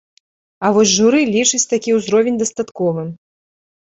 А вось журы лічыць такі ўзровень дастатковым.